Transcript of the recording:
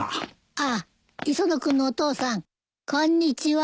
あっ磯野君のお父さんこんにちは。